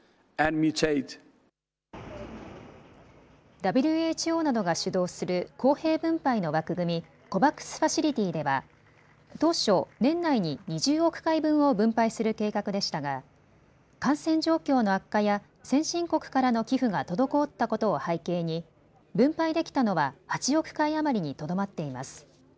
ＷＨＯなどが主導する公平分配の枠組み、ＣＯＶＡＸファシリティでは当初、年内に２０億回分を分配する計画でしたが感染状況の悪化や先進国からの寄付が滞ったことを背景に分配できたのは８億回余りにとどまっています。